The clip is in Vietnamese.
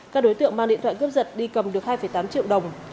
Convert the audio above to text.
các đối tượng mang điện thoại cướp giật đi cầm được hai tám triệu đồng